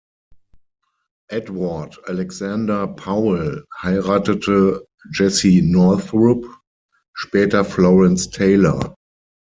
Edward Alexander Powell heiratete Jessie Northrup; später Florence Taylor.